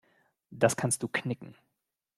Das kannst du knicken.